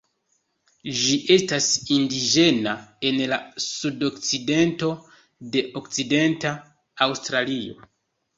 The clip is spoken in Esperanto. Ĝi estas indiĝena en la sudokcidento de Okcidenta Aŭstralio.